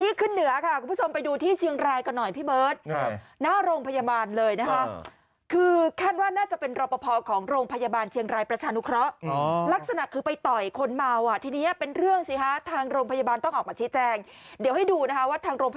ที่ขึ้นเหนือค่ะคุณผู้ชมไปดูที่เชียงรายก่อนหน่อยพี่เบิร์ต